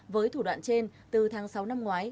với thủ đoạn trên từ tháng sáu năm ngoái